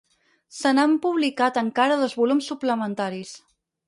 Se n'han publicat encara dos volums suplementaris.